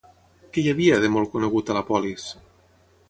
Què hi havia, de molt conegut, a la polis?